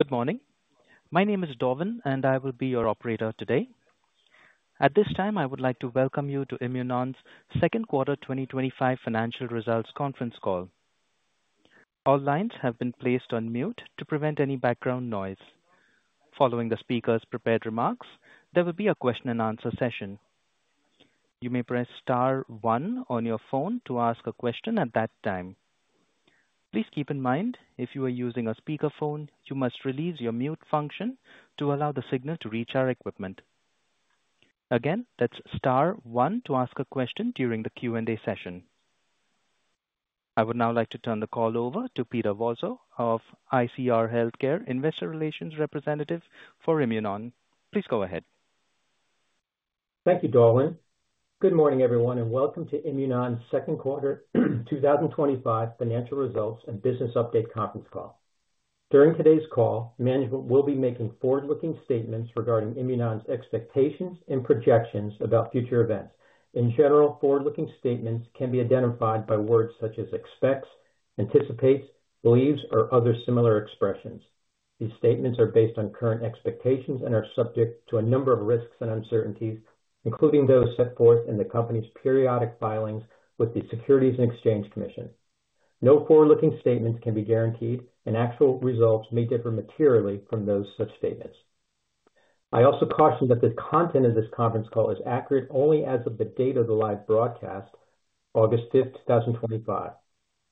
Good morning. My name is Dovin, and I will be your operator today. At this time, I would like to welcome you to IMUNON's second quarter 2025 financial results conference call. All lines have been placed on mute to prevent any background noise. Following the speaker's prepared remarks, there will be a question and answer session. You may press *1 on your phone to ask a question at that time. Please keep in mind, if you are using a speakerphone, you must release your mute function to allow the signal to reach our equipment. Again, that's *1 to ask a question during the Q&A session. I would now like to turn the call over to Peter Vozzo of ICR Healthcare, Investor Relations Representative for IMUNON. Please go ahead. Thank you, Dovin. Good morning, everyone, and welcome to IMUNON's Second Quarter 2025 Financial Results and business update conference call. During today's call, management will be making forward-looking statements regarding IMUNON's expectations and projections about future events. In general, forward-looking statements can be identified by words such as expects, anticipates, believes, or other similar expressions. These statements are based on current expectations and are subject to a number of risks and uncertainties, including those set forth in the company's periodic filings with the Securities and Exchange Commission. No forward-looking statements can be guaranteed, and actual results may differ materially from those such statements. I also caution that the content of this conference call is accurate only as of the date of the live broadcast, August 5th, 2025.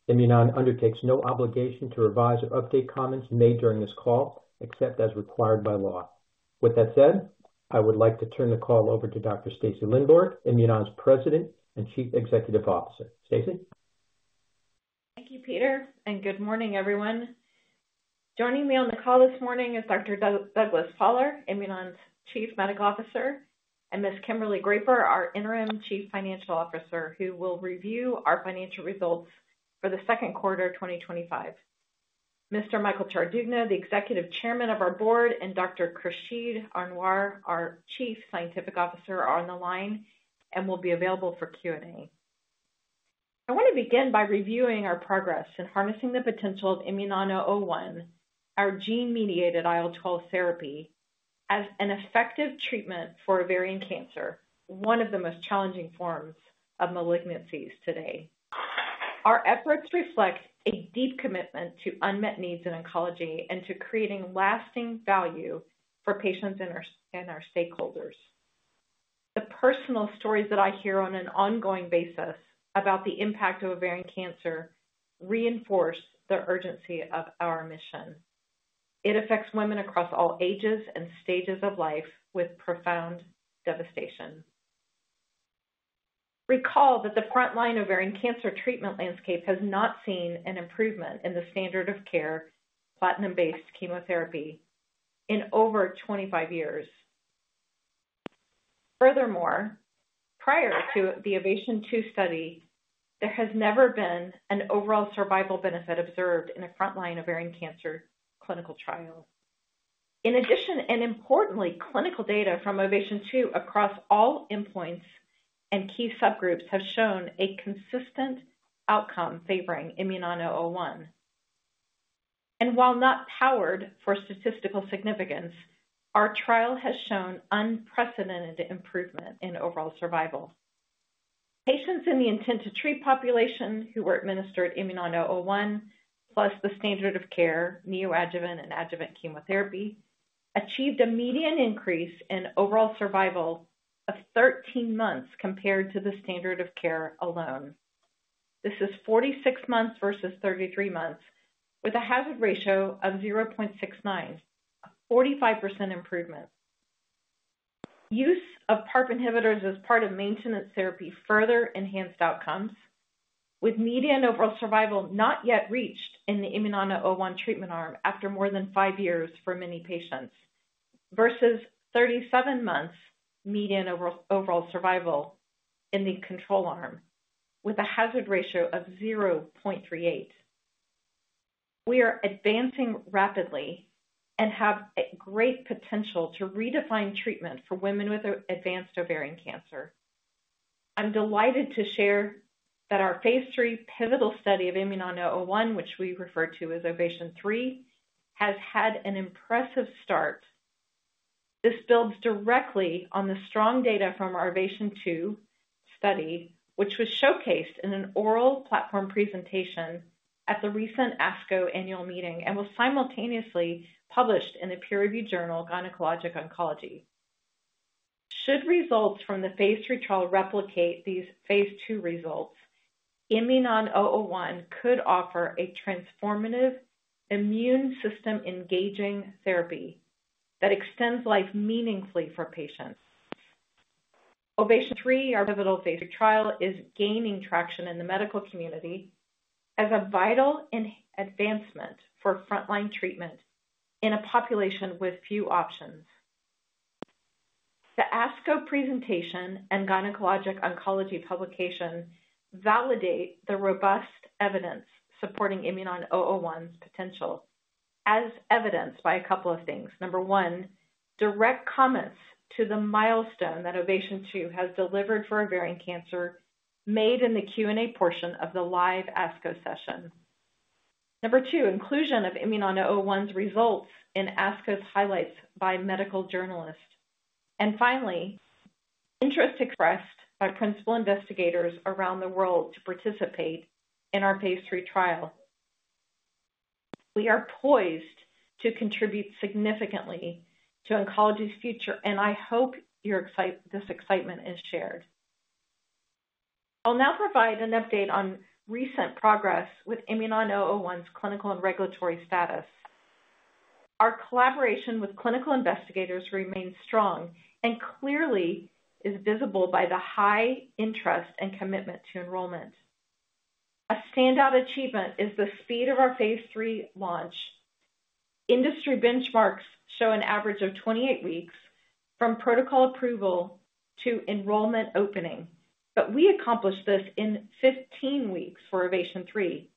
IMUNON undertakes no obligation to revise or update comments made during this call, except as required by law. With that said, I would like to turn the call over to Dr. Stacy Lindborg, IMUNON's President and Chief Executive Officer. Stacy? Thank you, Peter, and good morning, everyone. Joining me on the call this morning is Dr. Douglas Faller, IMUNON's Chief Medical Officer, and Ms. Kimberly Graper, our Interim Chief Financial Officer, who will review our financial results for the second quarter 2025. Mr. Michael Tardugno, the Executive Chairman of our board, and Dr. Khursheed Anwer, our Chief Scientific Officer, are on the line and will be available for Q&A. I want to begin by reviewing our progress in harnessing the potential of IMNN-001, our gene-mediated IL-12 therapy, as an effective treatment for ovarian cancer, one of the most challenging forms of malignancies today. Our efforts reflect a deep commitment to unmet needs in oncology and to creating lasting value for patients and our stakeholders. The personal stories that I hear on an ongoing basis about the impact of ovarian cancer reinforce the urgency of our mission. It affects women across all ages and stages of life with profound devastation. Recall that the frontline ovarian cancer treatment landscape has not seen an improvement in the standard of care platinum-based chemotherapy in over 25 years. Furthermore, prior to the OVATION 2 study, there has never been an overall survival benefit observed in a frontline ovarian cancer clinical trial. In addition, importantly, clinical data from OVATION 2 across all endpoints and key subgroups have shown a consistent outcome favoring IMNN-001. While not powered for statistical significance, our trial has shown unprecedented improvement in overall survival. Patients in the intent-to-treat population who were administered IMNN-001, plus the standard of care neoadjuvant and adjuvant chemotherapy, achieved a median increase in overall survival of 13 months compared to the standard of care alone. This is 46 months versus 33 months, with a hazard ratio of 0.69, a 45% improvement. Use of PARP inhibitors as part of maintenance therapy further enhanced outcomes, with median overall survival not yet reached in the IMNN-001 treatment arm after more than five years for many patients, versus 37 months median overall survival in the control arm, with a hazard ratio of 0.38. We are advancing rapidly and have a great potential to redefine treatment for women with advanced ovarian cancer. I'm delighted to share that our phase III pivotal study of IMNN-001, which we refer to as OVATION 3, has had an impressive start. This builds directly on the strong data from our OVATION 2 study, which was showcased in an oral platform presentation at the recent ASCO annual meeting and was simultaneously published in the peer-reviewed journal of Gynecologic Oncology. Should results from the phase III trial replicate these phase II results, IMNN-001 could offer a transformative immune system-engaging therapy that extends life meaningfully for patients. OVATION 3, our pivotal phase III trial, is gaining traction in the medical community as a vital advancement for frontline treatment in a population with few options. The ASCO presentation and Gynecologic Oncology publication validate the robust evidence supporting IMNN-001's potential, as evidenced by a couple of things. Number one, direct comments to the milestone that OVATION 2 has delivered for ovarian cancer made in the Q&A portion of the live ASCO session. Number two, inclusion of IMNN-001's results in ASCO's highlights by medical journalists. Finally, interest expressed by principal investigators around the world to participate in our phase III trial. We are poised to contribute significantly to oncology's future, and I hope this excitement is shared. I'll now provide an update on recent progress with IMNN-001's clinical and regulatory status. Our collaboration with clinical investigators remains strong and clearly is visible by the high interest and commitment to enrollment. A standout achievement is the speed of our phase III launch. Industry benchmarks show an average of 28 weeks from protocol approval to enrollment opening, but we accomplished this in 15 weeks for OVATION 3,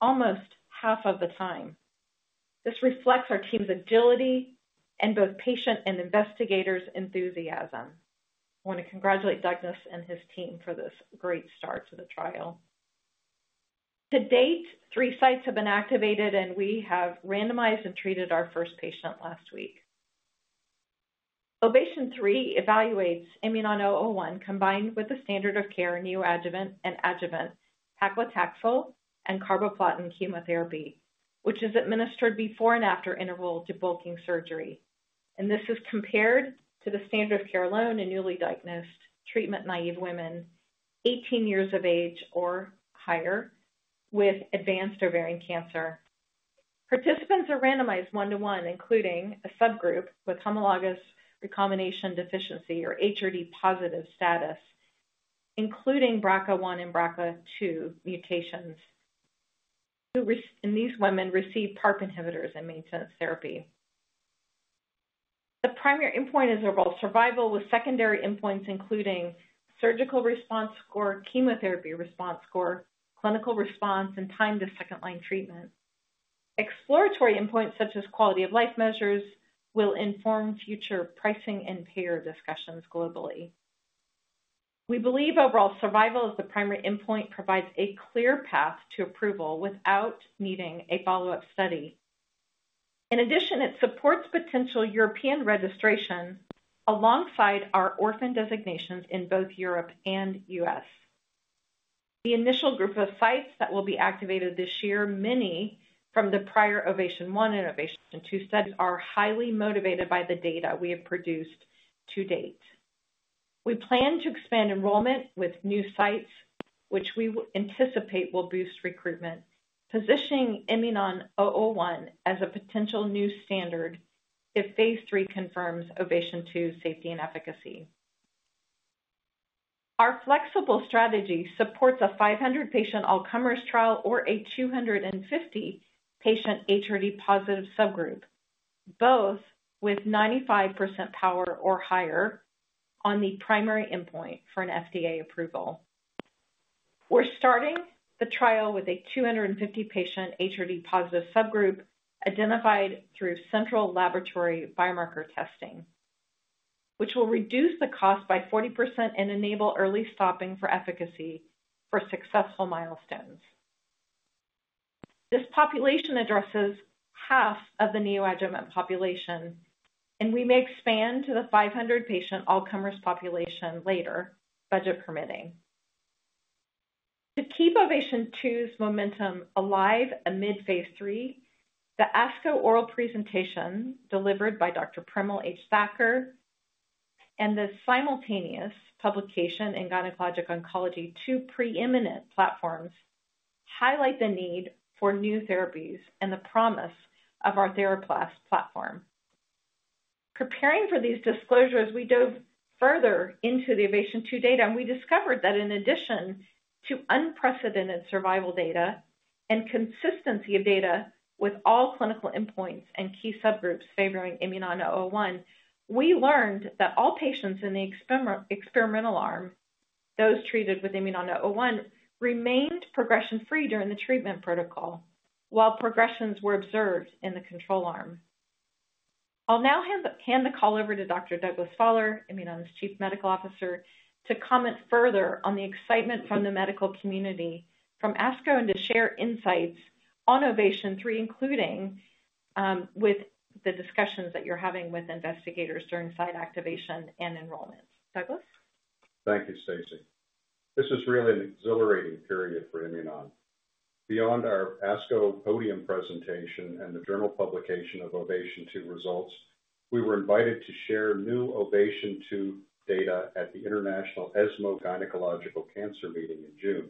almost half of the time. This reflects our team's agility and both patient and investigators' enthusiasm. I want to congratulate Dr. Douglas Faller and his team for this great start to the trial. To date, three sites have been activated, and we have randomized and treated our first patient last week. OVATION 3 evaluates IMNN-001 combined with the standard of care neoadjuvant and adjuvant paclitaxel and carboplatin chemotherapy, which is administered before and after interval debulking surgery. This is compared to the standard of care alone in newly diagnosed treatment-naive women, 18 years of age or higher, with advanced ovarian cancer. Participants are randomized one-to-one, including a subgroup with homologous recombination deficiency or HRD-positive status, including BRCA1 and BRCA2 mutations. These women receive PARP inhibitors and maintenance therapy. The primary endpoint is overall survival, with secondary endpoints including surgical response score, chemotherapy response score, clinical response, and time to second-line treatment. Exploratory endpoints such as quality of life measures will inform future pricing and payer discussions globally. We believe overall survival as the primary endpoint provides a clear path to approval without needing a follow-up study. In addition, it supports potential European registration alongside our orphan designations in both Europe and the U.S. The initial group of sites that will be activated this year, many from the prior OVATION 1 and OVATION 2 studies, are highly motivated by the data we have produced to date. We plan to expand enrollment with new sites, which we anticipate will boost recruitment, positioning IMNN-001 as a potential new standard if phase III confirms OVATION 2 safety and efficacy. Our flexible strategy supports a 500-patient all-comers trial or a 250-patient HRD-positive subgroup, both with 95% power or higher on the primary endpoint for an FDA approval. We're starting the trial with a 250-patient HRD-positive subgroup identified through central laboratory biomarker testing, which will reduce the cost by 40% and enable early stopping for efficacy for successful milestones. This population addresses half of the neoadjuvant population, and we may expand to the 500-patient all-comers population later, budget permitting. To keep OVATION 2's momentum alive amid phase III, the ASCO oral presentation delivered by Dr. Primel H. Thakkar and the simultaneous publication in Gynecologic Oncology, two preeminent platforms, highlight the need for new therapies and the promise of our TheraPlas platform. Preparing for these disclosures, we dove further into the OVATION 2 data, and we discovered that in addition to unprecedented survival data and consistency of data with all clinical endpoints and key subgroups favoring IMNN-001, we learned that all patients in the experimental arm, those treated with IMNN-001, remained progression-free during the treatment protocol, while progressions were observed in the control arm. I'll now hand the call over to Dr. Douglas Faller, IMUNON's Chief Medical Officer, to comment further on the excitement from the medical community from ASCO and to share insights on OVATION 3, including with the discussions that you're having with investigators during site activation and enrollment. Douglas? Thank you, Stacy. This is really an exhilarating period for IMUNON. Beyond our ASCO podium presentation and the journal publication of OVATION 2 results, we were invited to share new OVATION 2 data at the International ESMO Gynecological Cancer Meeting in June.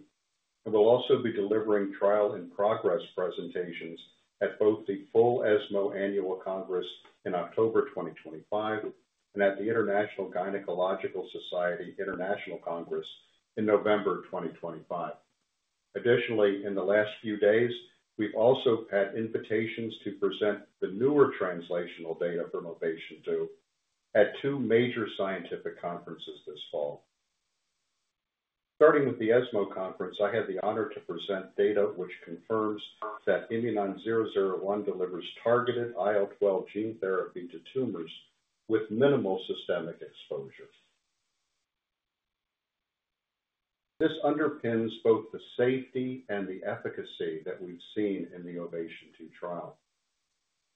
We'll also be delivering trial in progress presentations at both the full ESMO annual congress in October 2025 and at the International Gynecological Society International Congress in November 2025. Additionally, in the last few days, we've also had invitations to present the newer translational data from OVATION 2 at two major scientific conferences this fall. Starting with the ESMO conference, I had the honor to present data which confirms that IMNN-001 delivers targeted IL-12 gene therapy to tumors with minimal systemic exposures. This underpins both the safety and the efficacy that we've seen in the OVATION 2 trial.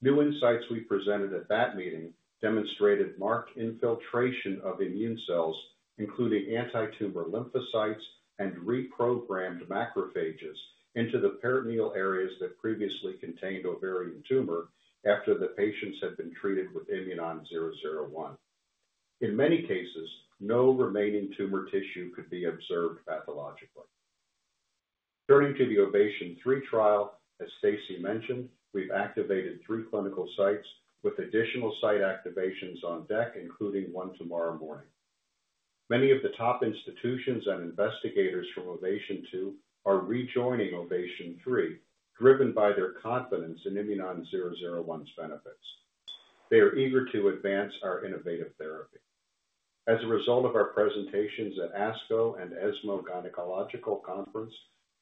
New insights we presented at that meeting demonstrated marked infiltration of immune cells, including antitumor lymphocytes and reprogrammed macrophages into the peritoneal areas that previously contained ovarian tumor after the patients had been treated with IMNN-001. In many cases, no remaining tumor tissue could be observed pathologically. Turning to the OVATION 3 trial, as Stacy mentioned, we've activated three clinical sites with additional site activations on deck, including one tomorrow morning. Many of the top institutions and investigators from OVATION 2 are rejoining OVATION 3, driven by their confidence in IMNN-001's benefits. They are eager to advance our innovative therapy. As a result of our presentations at ASCO and ESMO Gynecological Conference,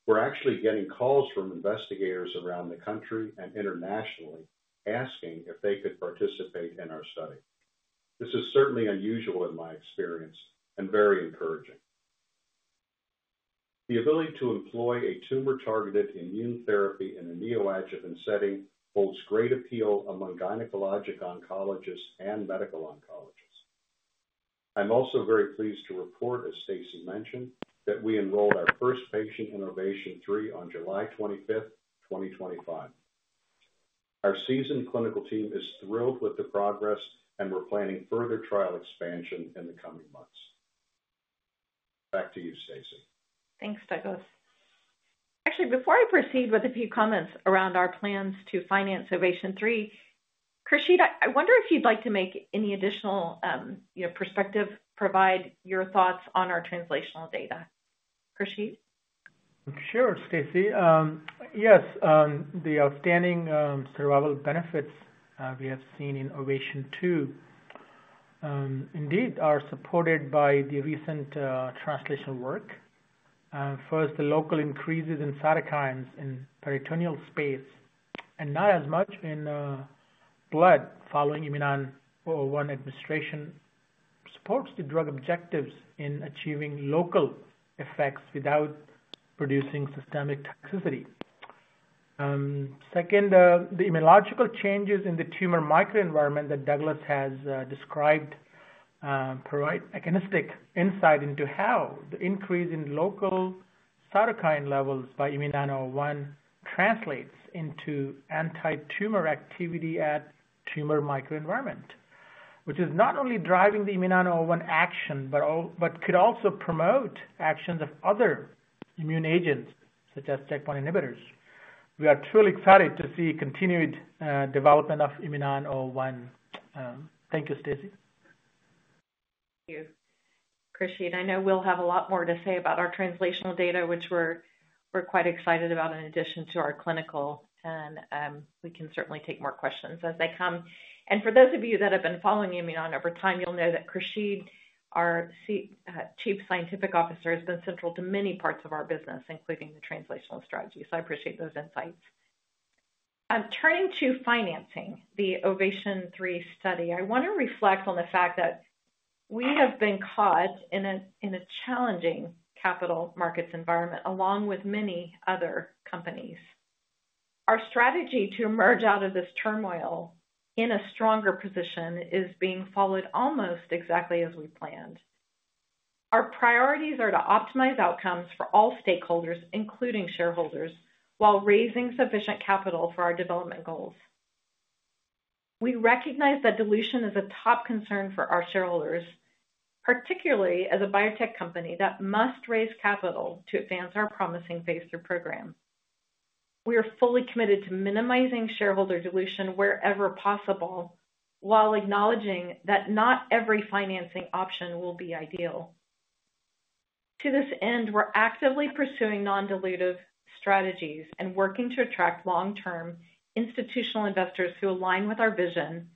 we're actually getting calls from investigators around the country and internationally asking if they could participate in our study. This is certainly unusual in my experience and very encouraging. The ability to employ a tumor-targeted immune therapy in a neoadjuvant setting holds great appeal among gynecologic oncologists and medical oncologists. I'm also very pleased to report, as Stacy mentioned, that we enrolled our first patient in OVATION 3 on July 25th, 2025. Our seasoned clinical team is thrilled with the progress, and we're planning further trial expansion in the coming months. Back to you, Stacy. Thanks, Douglas. Actually, before I proceed with a few comments around our plans to finance OVATION 3, Khursheed, I wonder if you'd like to make any additional perspective, provide your thoughts on our translational data. Khursheed? Sure, Stacy. Yes, the outstanding survival benefits we have seen in OVATION 2 indeed are supported by the recent translational work. First, the local increases in cytokines in peritoneal space and not as much in blood following IMNN-001 administration support the drug objectives in achieving local effects without producing systemic toxicity. Second, the immunological changes in the tumor microenvironment that Dr. Douglas Faller has described provide an agonistic insight into how the increase in local cytokine levels by IMNN-001 translates into antitumor activity at tumor microenvironment, which is not only driving the IMNN-001 action but could also promote actions of other immune agents such as checkpoint inhibitors. We are truly excited to see continued development of IMNN-001. Thank you, Stacy. Thank you, Khursheed. I know we'll have a lot more to say about our translational data, which we're quite excited about in addition to our clinical, and we can certainly take more questions as they come. For those of you that have been following IMUNON over time, you'll know that Khursheed, our Chief Scientific Officer, has been central to many parts of our business, including the translational strategy. I appreciate those insights. Turning to financing the OVATION 3 study, I want to reflect on the fact that we have been caught in a challenging capital markets environment along with many other companies. Our strategy to emerge out of this turmoil in a stronger position is being followed almost exactly as we planned. Our priorities are to optimize outcomes for all stakeholders, including shareholders, while raising sufficient capital for our development goals. We recognize that dilution is a top concern for our shareholders, particularly as a biotech company that must raise capital to advance our promising phase III program. We are fully committed to minimizing shareholder dilution wherever possible, while acknowledging that not every financing option will be ideal. To this end, we're actively pursuing non-dilutive strategies and working to attract long-term institutional investors who align with our vision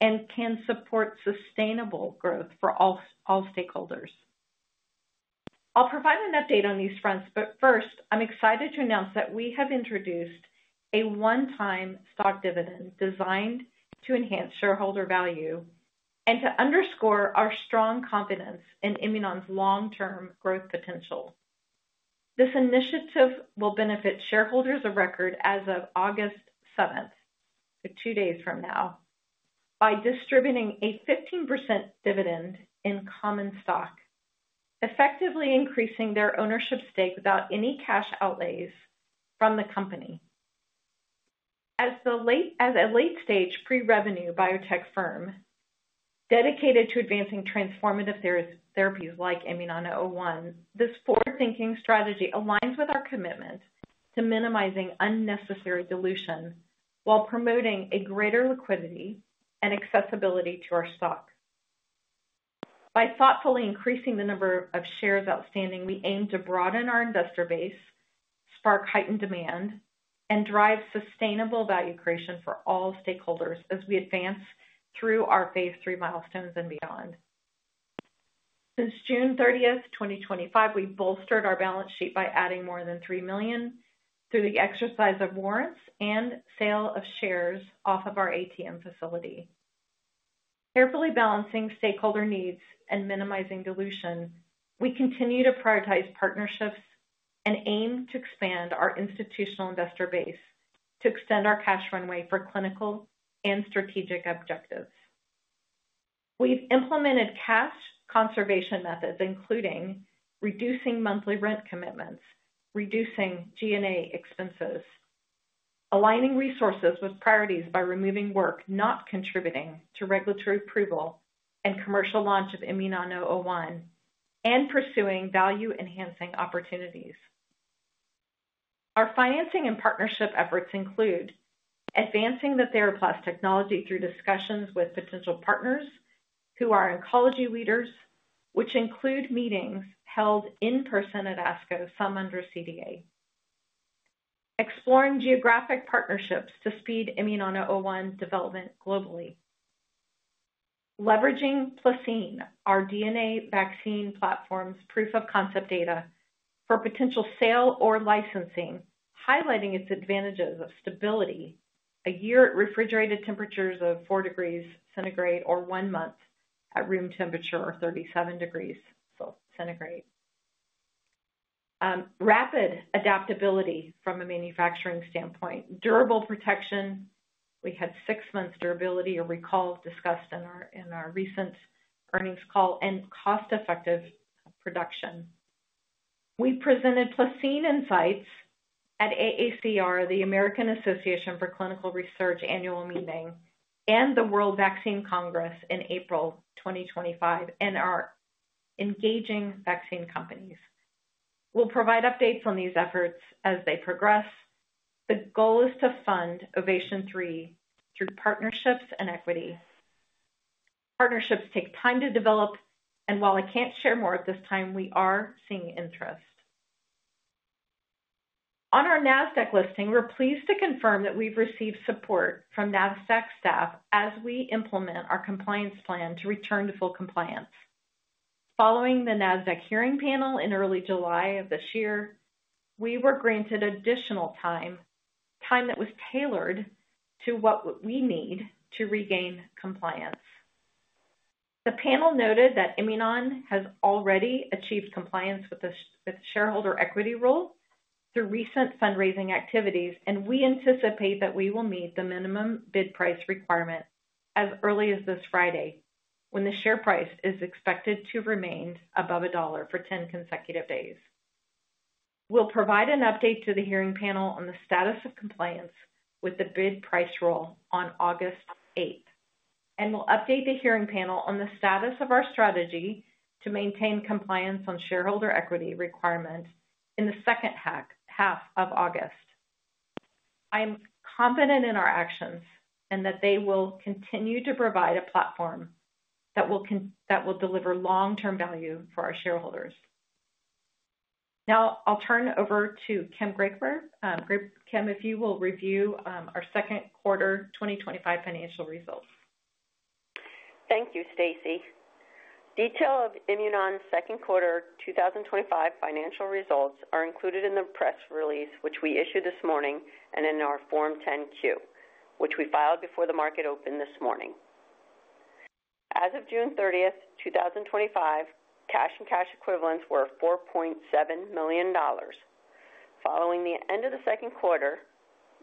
and can support sustainable growth for all stakeholders. I'll provide an update on these fronts, but first, I'm excited to announce that we have introduced a one-time stock dividend designed to enhance shareholder value and to underscore our strong confidence in IMUNON's long-term growth potential. This initiative will benefit shareholders of record as of August 7, two days from now, by distributing a 15% dividend in common stock, effectively increasing their ownership stake without any cash outlays from the company. As a late-stage pre-revenue biotech firm dedicated to advancing transformative therapies like IMNN-001, this forward-thinking strategy aligns with our commitment to minimizing unnecessary dilution while promoting greater liquidity and accessibility to our stock. By thoughtfully increasing the number of shares outstanding, we aim to broaden our investor base, spark heightened demand, and drive sustainable value creation for all stakeholders as we advance through our phase III milestones and beyond. Since June 30th, 2025, we've bolstered our balance sheet by adding more than $3 million through the exercise of warrants and sale of shares off of our ATM facility. Carefully balancing stakeholder needs and minimizing dilution, we continue to prioritize partnerships and aim to expand our institutional investor base to extend our cash runway for clinical and strategic objectives. We've implemented cash conservation methods, including reducing monthly rent commitments, reducing G&A expenses, aligning resources with priorities by removing work not contributing to regulatory approval and commercial launch of IMNN-001, and pursuing value-enhancing opportunities. Our financing and partnership efforts include advancing the TheraPlas technology through discussions with potential partners who are oncology leaders, which include meetings held in person at ASCO, some under CDA. Exploring geographic partnerships to speed IMNN-001's development globally. Leveraging PlaCCine, our DNA vaccine platform's proof-of-concept data for potential sale or licensing, highlighting its advantages of stability a year at refrigerated temperatures of 4 degrees centigrade or one month at room temperature or 37 degrees centigrade. Rapid adaptability from a manufacturing standpoint, durable protection. We had six months durability or recall discussed in our recent earnings call and cost-effective production. We presented PlaCCine insights at AACR, the American Association for Cancer Research annual meeting, and the World Vaccine Congress in April 2025, and are engaging vaccine companies. We'll provide updates on these efforts as they progress. The goal is to fund OVATION 3 through partnerships and equity. Partnerships take time to develop, and while I can't share more at this time, we are seeing interest. On our NASDAQ listing, we're pleased to confirm that we've received support from NASDAQ staff as we implement our compliance plan to return to full compliance. Following the NASDAQ hearing panel in early July of this year, we were granted additional time, time that was tailored to what we need to regain compliance. The panel noted that IMUNON has already achieved compliance with the shareholder equity rule through recent fundraising activities, and we anticipate that we will meet the minimum bid price requirement as early as this Friday, when the share price is expected to remain above $1 for 10 consecutive days. We'll provide an update to the hearing panel on the status of compliance with the bid price rule on August 8, and we'll update the hearing panel on the status of our strategy to maintain compliance on shareholder equity requirements in the second half of August. I'm confident in our actions and that they will continue to provide a platform that will deliver long-term value for our shareholders. Now, I'll turn over to Kim Graper. Kim, if you will review our second quarter 2025 financial results. Thank you, Stacy. Details of IMUNON's second quarter 2025 financial results are included in the press release, which we issued this morning, and in our Form 10-Q, which we filed before the market opened this morning. As of June 30th, 2025, cash and cash equivalents were $4.7 million. Following the end of the second quarter,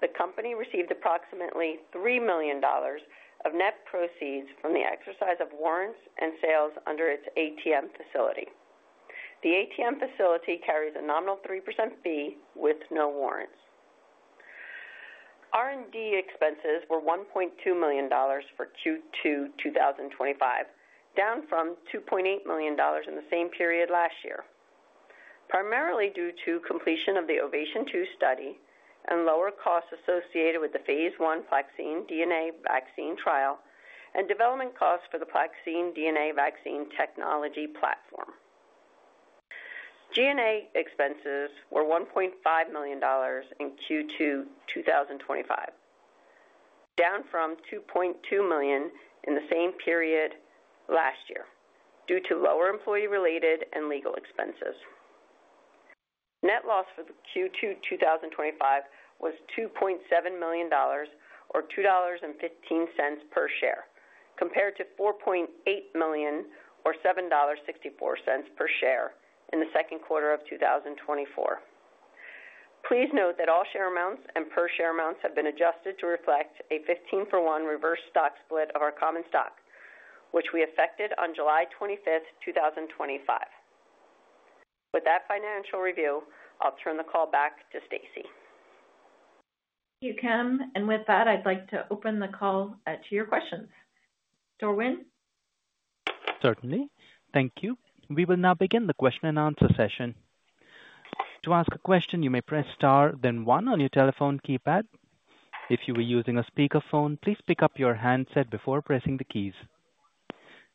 the company received approximately $3 million of net proceeds from the exercise of warrants and sales under its ATM facility. The ATM facility carries a nominal 3% fee with no warrants. R&D expenses were $1.2 million for Q2 2025, down from $2.8 million in the same period last year, primarily due to completion of the OVATION 2 study and lower costs associated with the phase one PlaCCine DNA vaccine trial and development costs for the PlaCCine DNA vaccine technology platform. G&A expenses were $1.5 million in Q2 2025, down from $2.2 million in the same period last year due to lower employee-related and legal expenses. Net loss for Q2 2025 was $2.7 million or $2.15 per share, compared to $4.8 million or $7.64 per share in the second quarter of 2024. Please note that all share amounts and per share amounts have been adjusted to reflect a 15 for one reverse stock split of our common stock, which we effected on July 25th, 2025. With that financial review, I'll turn the call back to Stacy. Thank you, Kim. With that, I'd like to open the call to your questions. Dovin. Certainly. Thank you. We will now begin the question and answer session. To ask a question, you may press *1 on your telephone keypad. If you are using a speaker phone, please pick up your handset before pressing the keys.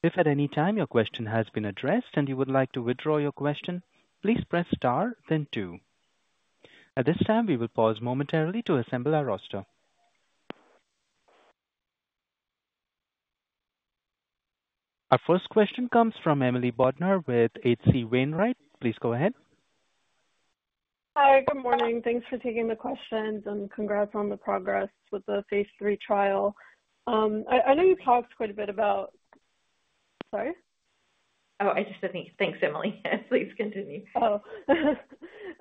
If at any time your question has been addressed and you would like to withdraw your question, please press *2. At this time, we will pause momentarily to assemble our roster. Our first question comes from Emily Bodnar with H.C. Wainwright. Please go ahead. Hi. Good morning. Thanks for taking the questions and congrats on the progress with the phase III trial. I know you talked quite a bit about— Sorry? Oh, I just said thanks, Emily. Yes, please continue. I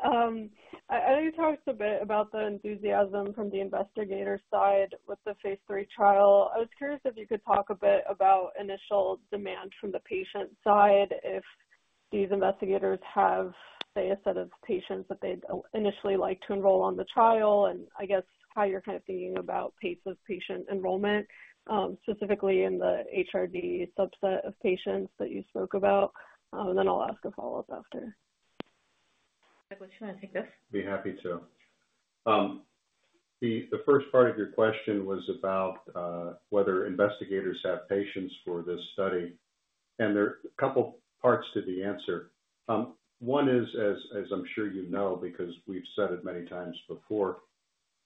know you talked a bit about the enthusiasm from the investigator side with the phase III trial. I was curious if you could talk a bit about initial demand from the patient side, if these investigators have, say, a set of patients that they'd initially like to enroll on the trial, and how you're kind of thinking about pace of patient enrollment, specifically in the HRD-positive subgroup of patients that you spoke about. I'll ask a follow-up after. I have a question asking Douglas. Be happy to. The first part of your question was about whether investigators have patients for this study. There are a couple of parts to the answer. One is, as I'm sure you know, because we've said it many times before,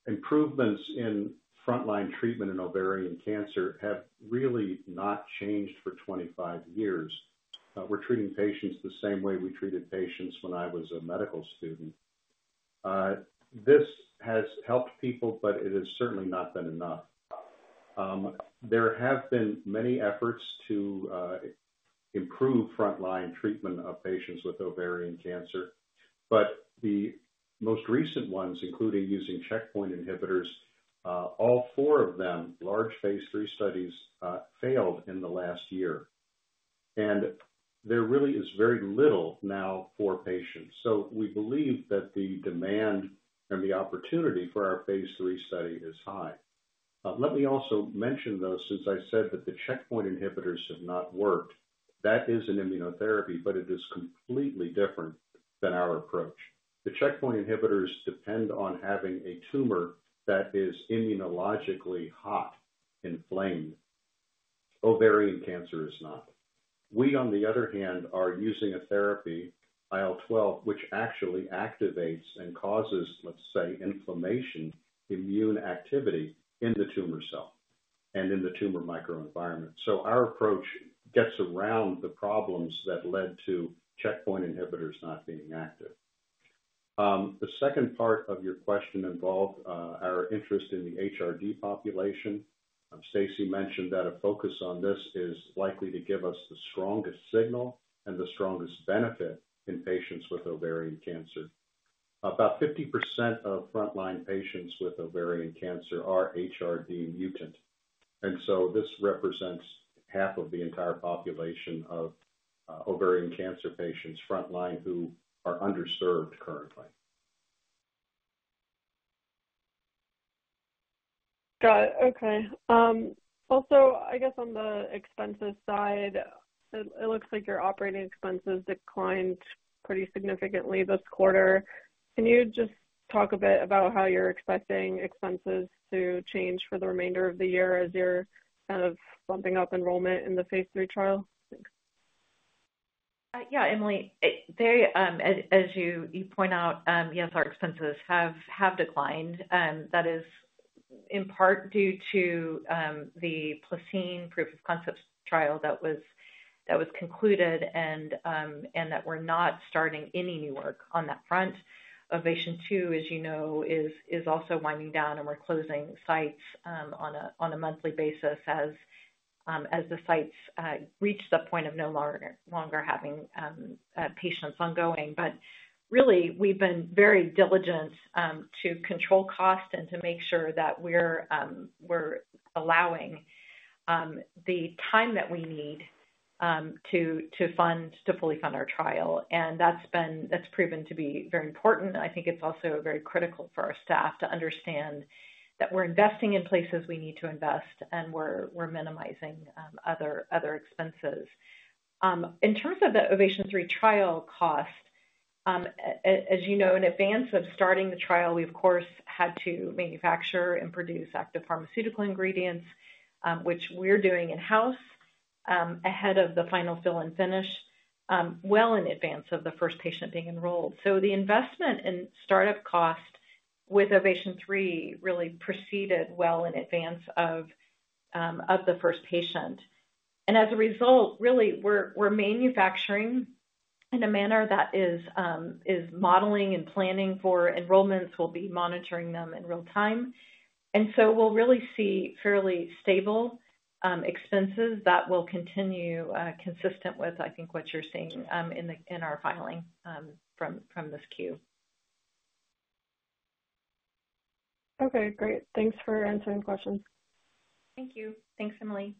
improvements in frontline treatment in ovarian cancer have really not changed for 25 years. We're treating patients the same way we treated patients when I was a medical student. This has helped people, but it has certainly not been enough. There have been many efforts to improve frontline treatment of patients with ovarian cancer. The most recent ones, including using checkpoint inhibitors, all four of them, large phase III studies failed in the last year. There really is very little now for patients. We believe that the demand and the opportunity for our phase III study is high. Let me also mention, though, since I said that the checkpoint inhibitors have not worked, that is an immunotherapy, but it is completely different than our approach. The checkpoint inhibitors depend on having a tumor that is immunologically hot, inflamed. Ovarian cancer is not. We, on the other hand, are using a therapy, IL-12, which actually activates and causes, let's say, inflammation, immune activity in the tumor cell and in the tumor microenvironment. Our approach gets around the problems that led to checkpoint inhibitors not being active. The second part of your question involved our interest in the HRD population. Stacy mentioned that a focus on this is likely to give us the strongest signal and the strongest benefit in patients with ovarian cancer. About 50% of frontline patients with ovarian cancer are HRD mutant. This represents half of the entire population of ovarian cancer patients frontline who are underserved currently. Got it. Okay. Also, I guess on the expenses side, it looks like your operating expenses declined pretty significantly this quarter. Can you just talk a bit about how you're expecting expenses to change for the remainder of the year as you're kind of bumping up enrollment in the phase III trial? Yeah, Emily. Very, as you point out, yes, our expenses have declined. That is in part due to the PlaCCine proof-of-concept trial that was concluded and that we're not starting any new work on that front. OVATION 2, as you know, is also winding down, and we're closing sites on a monthly basis as the sites reach the point of no longer having patients ongoing. We've been very diligent to control cost and to make sure that we're allowing the time that we need to fully fund our trial. That's proven to be very important. I think it's also very critical for our staff to understand that we're investing in places we need to invest, and we're minimizing other expenses. In terms of the OVATION 3 trial cost, as you know, in advance of starting the trial, we, of course, had to manufacture and produce active pharmaceutical ingredients, which we're doing in-house ahead of the final fill and finish, well in advance of the first patient being enrolled. The investment in startup cost with OVATION 3 really proceeded well in advance of the first patient. As a result, we're manufacturing in a manner that is modeling and planning for enrollments. We'll be monitoring them in real time. We'll really see fairly stable expenses that will continue consistent with, I think, what you're seeing in our filing from this queue. Okay. Great. Thanks for answering the questions. Thank you. Thanks, Emily.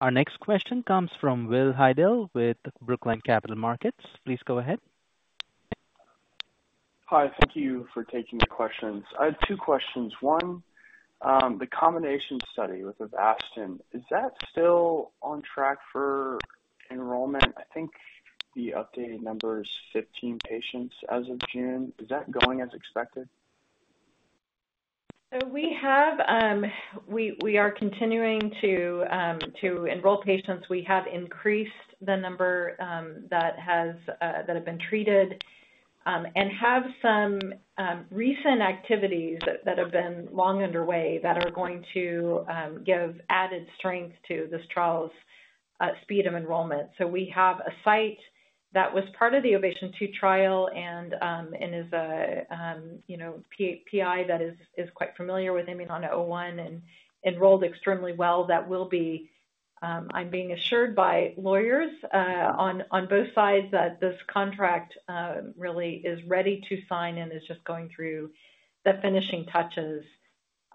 Our next question comes from Will Hidell with Brookline Capital Markets. Please go ahead. Hi. Thank you for taking the questions. I have two questions. One, the combination study with Avastin, is that still on track for enrollment? I think the updated number is 15 patients as of June. Is that going as expected? We are continuing to enroll patients. We have increased the number that have been treated and have some recent activities that have been long underway that are going to give added strength to this trial's speed of enrollment. We have a site that was part of the OVATION 2 trial and is a PI that is quite familiar with IMNN-001 and enrolled extremely well that will be, I'm being assured by lawyers on both sides that this contract really is ready to sign and is just going through the finishing touches.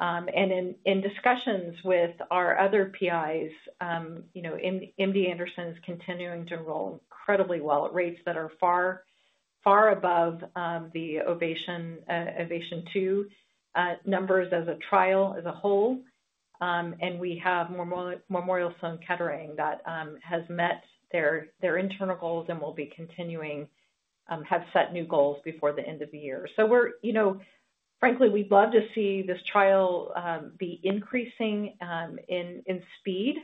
In discussions with our other PIs, MD Anderson is continuing to enroll incredibly well at rates that are far above the OVATION 2 numbers as a trial as a whole. We have Memorial Sloan Kettering that has met their internal goals and will be continuing, have set new goals before the end of the year. Frankly, we'd love to see this trial be increasing in speed.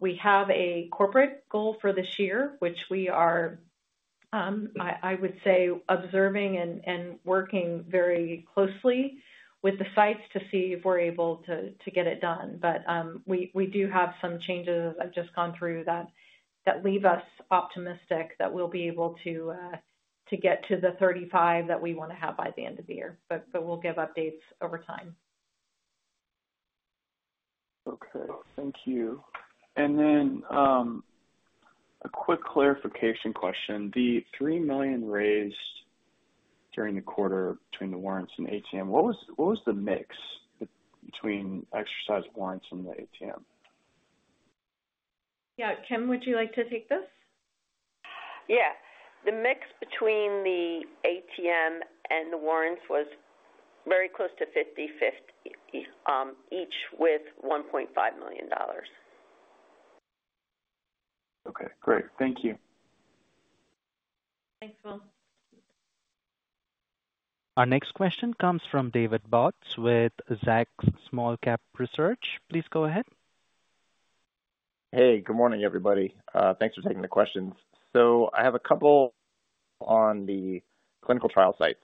We have a corporate goal for this year, which we are, I would say, observing and working very closely with the sites to see if we're able to get it done. We do have some changes that I've just gone through that leave us optimistic that we'll be able to get to the 35 that we want to have by the end of the year. We'll give updates over time. Thank you. A quick clarification question. The $3 million raised during the quarter between the warrants and ATM facility, what was the mix between exercised warrants and the ATM facility? Yeah, Kim, would you like to take this? Yeah. The mix between the ATM facility and the warrants was very close to 50/50, each with $1.5 million. Okay. Great. Thank you. Thanks, Will. Our next question comes from David Bautz with Zacks Small Cap Research. Please go ahead. Good morning, everybody. Thanks for taking the questions. I have a couple on the clinical trial sites.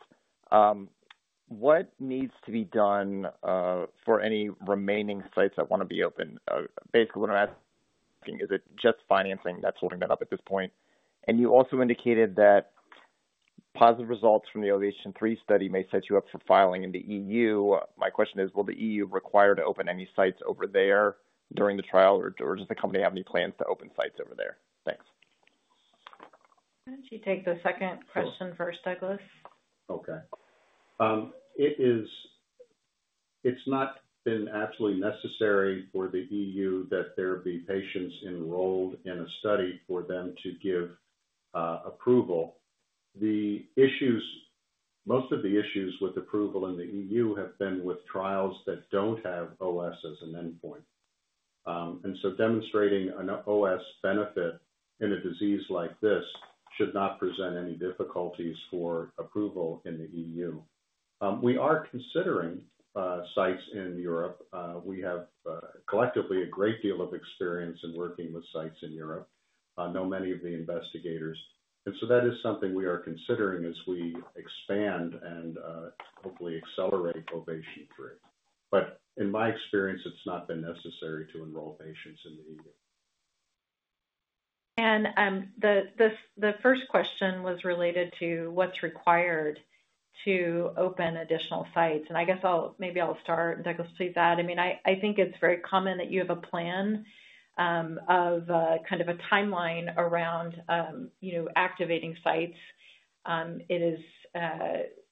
What needs to be done for any remaining sites that want to be open? Basically, what I'm asking is, is it just financing that's holding that up at this point? You also indicated that positive results from the OVATION 3 study may set you up for filing in the EU. My question is, will the EU require you to open any sites over there during the trial, or does the company have any plans to open sites over there? Thanks. Why don't you take the second question first, Douglas? Okay. It's not been absolutely necessary for the EU that there be patients enrolled in a study for them to give approval. Most of the issues with approval in the EU have been with trials that don't have OS as an endpoint. Demonstrating an OS benefit in a disease like this should not present any difficulties for approval in the EU. We are considering sites in Europe. We have collectively a great deal of experience in working with sites in Europe. I know many of the investigators. That is something we are considering as we expand and hopefully accelerate OVATION 3. In my experience, it's not been necessary to enroll patients in the EU. The first question was related to what's required to open additional sites. I guess maybe I'll start, and Douglas, please add. I think it's very common that you have a plan of kind of a timeline around activating sites.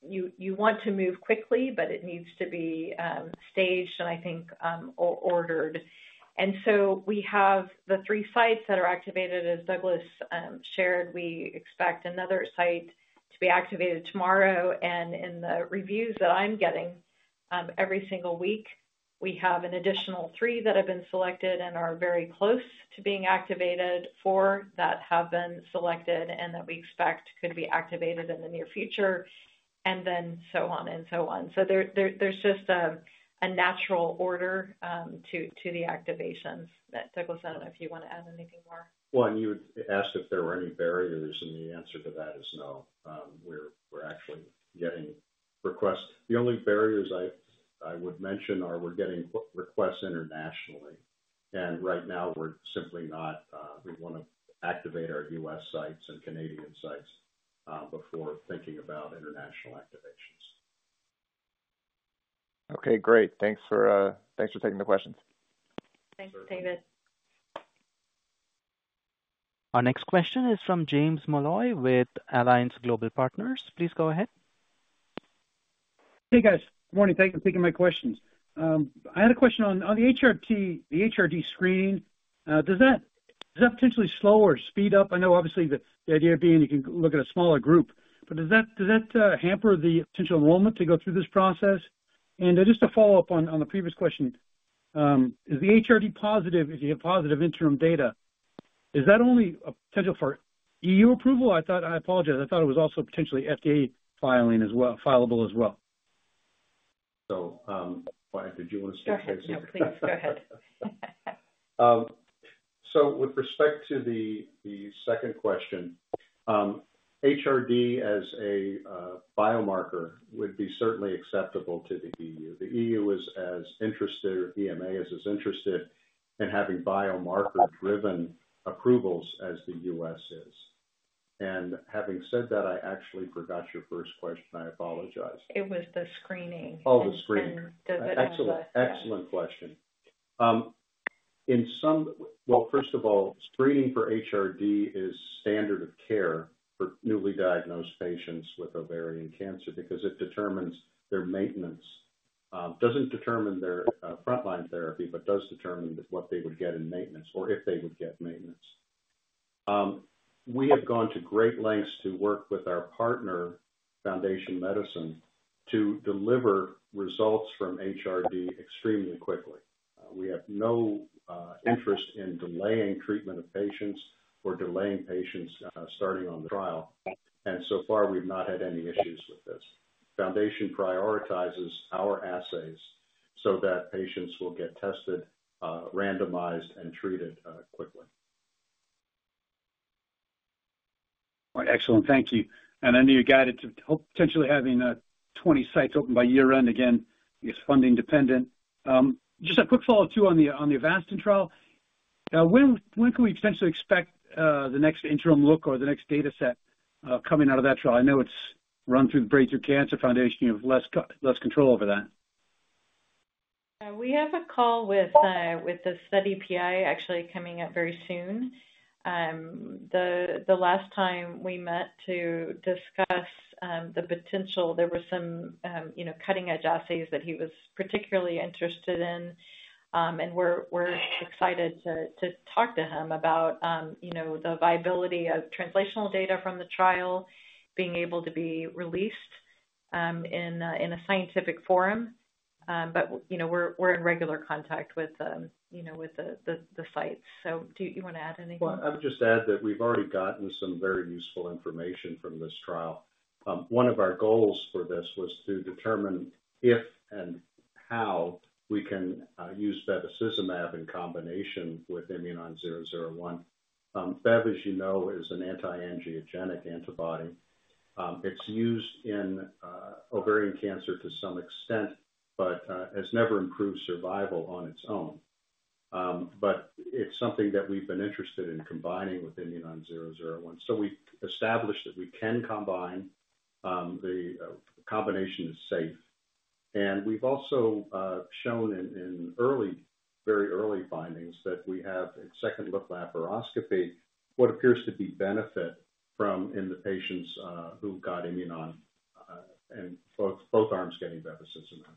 You want to move quickly, but it needs to be staged and I think ordered. We have the three sites that are activated, as Douglas shared. We expect another site to be activated tomorrow. In the reviews that I'm getting every single week, we have an additional three that have been selected and are very close to being activated, four that have been selected and that we expect could be activated in the near future, and then so on and so on. There's just a natural order to the activations. Douglas, I don't know if you want to add anything more. You asked if there were any barriers, and the answer to that is no. We're actually getting requests. The only barriers I would mention are we're getting requests internationally. Right now, we're simply not, we want to activate our U.S. sites and Canadian sites before thinking about international activations. Okay. Great. Thanks for taking the questions. Thanks, David. Our next question is from James Molloy with Alliance Global Partners. Please go ahead. Hey, guys. Morning. Thank you for taking my questions. I had a question on the HRD screening. Does that potentially slow or speed up? I know, obviously, the idea being you can look at a smaller group. Does that hamper the potential enrollment to go through this process? Just to follow up on the previous question, is the HRD-positive if you have positive interim data? Is that only a potential for EU approval? I thought, I apologize, I thought it was also potentially FDA filing as well, filable as well. Why did you want to stick to this? Yeah, please go ahead. With respect to the second question, HRD as a biomarker would be certainly acceptable to the EU. The EU is as interested, EMA is as interested in having biomarker-driven approvals as the U.S. is. Having said that, I actually forgot your first question. I apologize. It was the screening. Oh, the screening. Excellent, excellent question. First of all, screening for HRD is standard of care for newly diagnosed patients with ovarian cancer because it determines their maintenance. It doesn't determine their frontline therapy, but does determine what they would get in maintenance or if they would get maintenance. We have gone to great lengths to work with our partner, Foundation Medicine, to deliver results from HRD extremely quickly. We have no interest in delaying treatment of patients or delaying patients starting on the trial. So far, we've not had any issues with this. Foundation prioritizes our assays so that patients will get tested, randomized, and treated quickly. All right. Excellent. Thank you. I know you're guided to hope potentially having 20 sites open by year-end, again, I guess funding dependent. Just a quick follow-up too on the Avastin trial. When can we potentially expect the next interim look or the next data set coming out of that trial? I know it's run through the Breakthrough Cancer Foundation. You have less control over that. We have a call with the study PI actually coming up very soon. The last time we met to discuss the potential, there were some cutting-edge assays that he was particularly interested in. We're excited to talk to him about the viability of translational data from the trial being able to be released in a scientific forum. We're in regular contact with the sites. Do you want to add anything? I would just add that we've already gotten some very useful information from this trial. One of our goals for this was to determine if and how we can use bevacizumab in combination with IMNN-001. Bev, as you know, is an anti-angiogenic antibody. It's used in ovarian cancer to some extent, but has never improved survival on its own. It is something that we've been interested in combining with IMNN-001. We established that we can combine. The combination is safe, and we've also shown in very early findings that we have at second-look laparoscopy what appears to be benefit from in the patients who got IMUNON and both arms getting bevacizumab.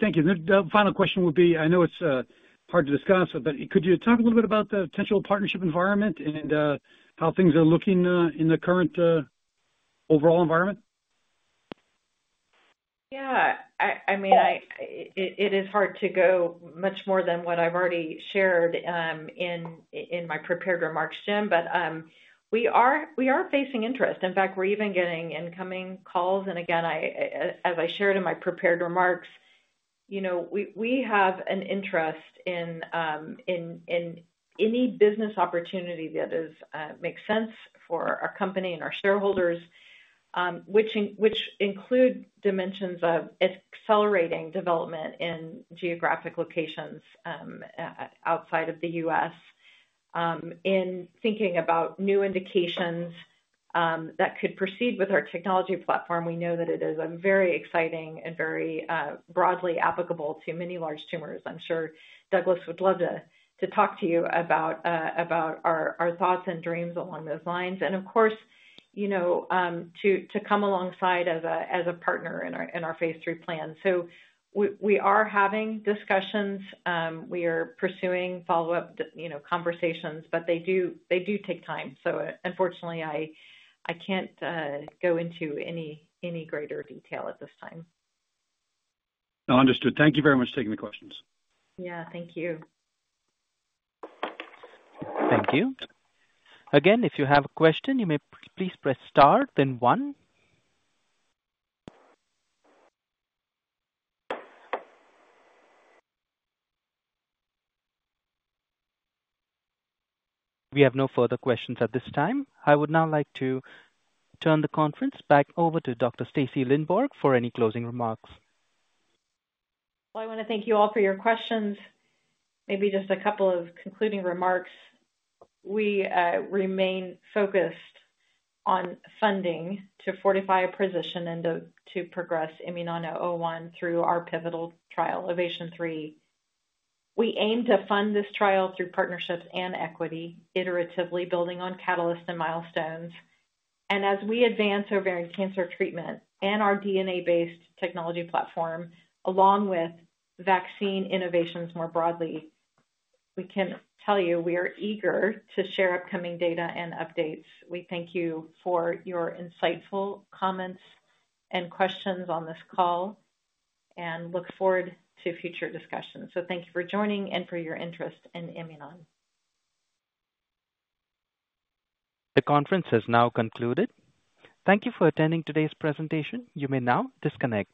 Thank you. The final question would be, I know it's hard to discuss, but could you talk a little bit about the potential partnership environment and how things are looking in the current overall environment? Yeah. I mean, it is hard to go much more than what I've already shared in my prepared remarks, Jim, but we are facing interest. In fact, we're even getting incoming calls. As I shared in my prepared remarks, we have an interest in any business opportunity that makes sense for our company and our shareholders, which include dimensions of accelerating development in geographic locations outside of the U.S. In thinking about new indications that could proceed with our technology platform, we know that it is very exciting and very broadly applicable to many large tumors. I'm sure Dr. Douglas Faller would love to talk to you about our thoughts and dreams along those lines. Of course, to come alongside as a partner in our phase III plan. We are having discussions. We are pursuing follow-up conversations, but they do take time. Unfortunately, I can't go into any greater detail at this time. Understood. Thank you very much for taking the questions. Thank you. Thank you. Again, if you have a question, you may please press *1. We have no further questions at this time. I would now like to turn the conference back over to Dr. Stacy Lindborg for any closing remarks. Thank you all for your questions. Maybe just a couple of concluding remarks. We remain focused on funding to fortify a position and to progress IMNN-001 through our pivotal trial, OVATION 3. We aim to fund this trial through partnerships and equity, iteratively building on catalysts and milestones. As we advance ovarian cancer treatment and our DNA-based technology platform, along with vaccine innovations more broadly, we can tell you we are eager to share upcoming data and updates. We thank you for your insightful comments and questions on this call and look forward to future discussions. Thank you for joining and for your interest in IMUNON. The conference has now concluded. Thank you for attending today's presentation. You may now disconnect.